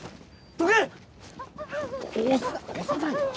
どけ！